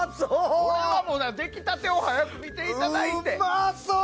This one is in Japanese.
出来たてを早く見ていただいて。